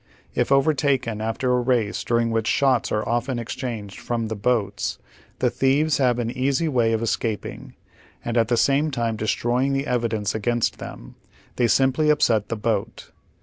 If overtaken after a race dur ing which shots are often exchanged from the boats, the thieves have an easy way of escaping and at the same time destroying the evidence against them ; they simply upset the boat.